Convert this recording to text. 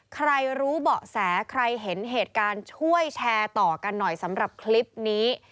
ใครรู้เบาะแสใครเห็นเหตุการณ์ช่วยแชร์ต่อกันหน่อยสำหรับคลิปนี้